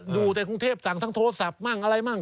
ดูแต่กรุงเทพสั่งทั้งโทรศัพท์มั่งอะไรมั่ง